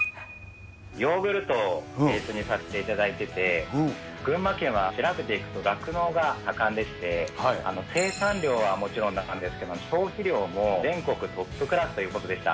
ヨーグルトをベースにさせていただいてて、群馬県は調べていくと、酪農が盛んでして、生産量はもちろんなんですけれども、消費量も全国トップクラスということでした。